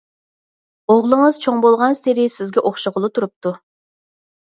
ئوغلىڭىز چوڭ بولغانسېرى سىزگە ئوخشىغىلى تۇرۇپتۇ.